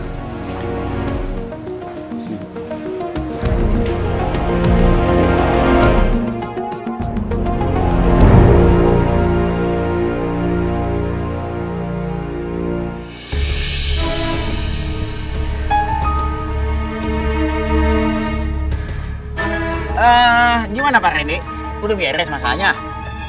eh gimana pak rendy udah biar res makanya udah oh ya pak masih banyak ya bapak